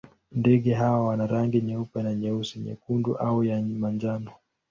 Ndege hawa wana rangi nyeupe na nyeusi, nyekundu au ya manjano.